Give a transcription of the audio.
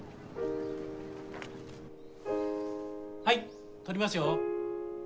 はい撮りますよ。